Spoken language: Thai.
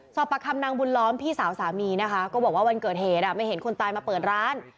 ประคำนางบุญล้อมพี่สาวสามีนะคะก็บอกว่าวันเกิดเหตุไม่เห็นคนตายมาเปิดร้าน